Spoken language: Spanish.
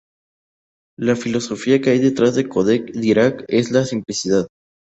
La filosofía que hay detrás del códec Dirac es la simplicidad.